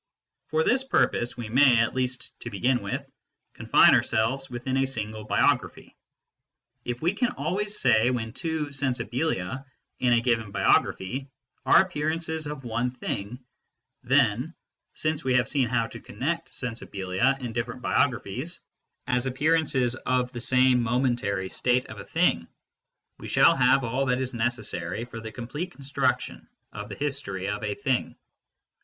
170 MYSTICISM AND LOGIC For this purpose, we may, at least to begin with, confine ourselves within a single biography. If we can always say when two " sensibilia " in a given biography are appearances of one thing, then, since we have seen how to connect " sensibilia " in different biographies as appearances of the same momentary state of a thing, we shall have all that is necessary for the complete con struction of the history of a thing.